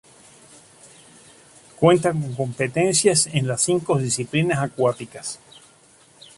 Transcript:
Cuenta con competencias en las cinco disciplinas acuáticas.